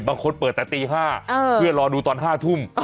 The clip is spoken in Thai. เปิดแต่ตี๕เพื่อรอดูตอน๕ทุ่ม